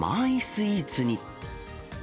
スイーツに。